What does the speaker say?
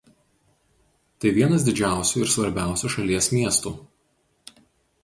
Tai vienas didžiausių ir svarbiausių šalies miestų.